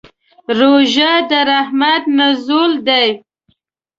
روژه د رحمت نزول دی.